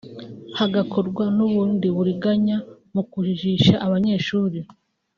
hagakorwa n’ubundi buriganya mu kujijisha abanyeshuri